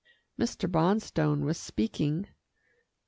Mr. Bonstone was speaking.